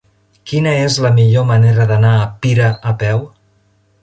Quina és la millor manera d'anar a Pira a peu?